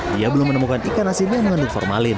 dia belum menemukan ikan asin yang mengandung formalin